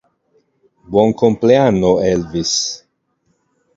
Buon compleanno Elvis!